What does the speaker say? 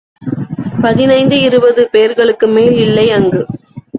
பதினைந்து இருபது பேர்களுக்கு மேல் இல்லை அங்கு.